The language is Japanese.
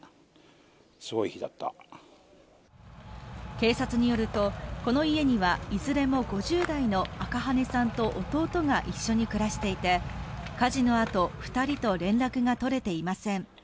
警察によるとこの家には、いずれも５０代の赤羽さんと弟が一緒に暮らしていて火事のあと２人と連絡が取れていません。